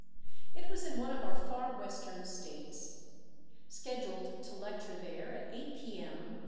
It was in one of our far western States. Scheduled to lecture there at eight P.M.